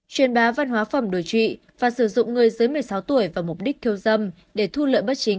truyền bá văn hóa phẩm đổi trụy và sử dụng người dưới một mươi sáu tuổi vào mục đích khiêu dâm để thu lợi bất chính